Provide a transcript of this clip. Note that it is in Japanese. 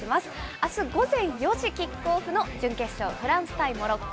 あす午前４時キックオフの準決勝、フランス対モロッコ。